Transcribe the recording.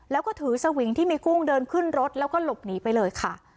แล้วก็ถือสวิงที่มีกุ้งเดินขึ้นรถแล้วก็หลบหนีไปเลยค่ะ